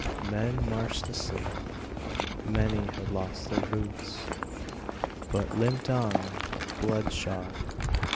Men marched asleep. Many had lost their boots, But limped on, blood shod.